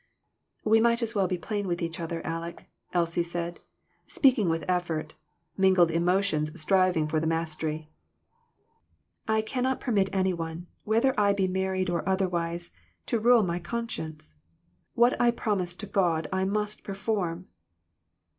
"We might as well be plain with each other, Aleck," Elsie said, speaking with effort, mingled emotions striving for the mastery. "I cannot permit any one, whether I be married or other wise, to rule my conscience. What I promise to God I must perform."